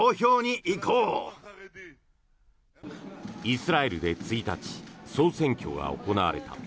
イスラエルで１日総選挙が行われた。